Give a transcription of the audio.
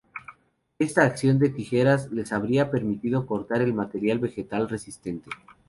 Esta acción de tijeras les habría permitido cortar el material vegetal resistente.